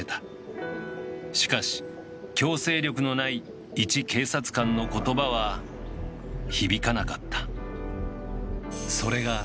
しかし強制力のないいち警察官の言葉は響かなかった。